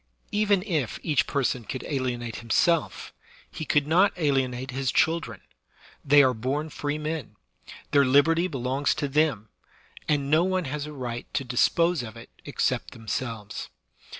Even if each person could alienate himself, he could not alienate his children; they are bom free men; their liberty belongs to them, and no one has a right to dis pose of it except themselves.